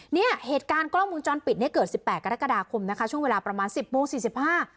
เนี่ยเหตุการณ์กล้องวงจรปิดเนี้ยเกิดสิบแปดกรกฎาคมนะคะช่วงเวลาประมาณสิบโมงสี่สิบห้า